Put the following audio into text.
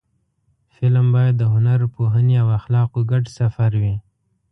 فلم باید د هنر، پوهنې او اخلاقو ګډ سفر وي